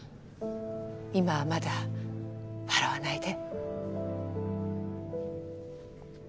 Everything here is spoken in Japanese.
今はまだ笑わないで。